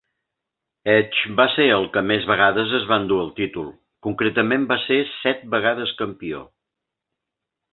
Edge va ser el que més vegades es va endur el títol, concretament va ser set vegades campió.